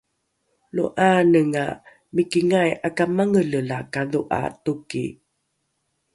lo ’aanenga mikingai ’akamangele la kadho’a toki